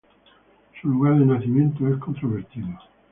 Su lugar de nacimiento es controvertido.